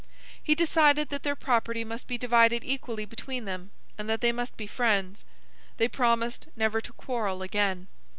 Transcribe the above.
He decided that their property must be divided equally between them, and that they must be friends. They promised never to quarrel again.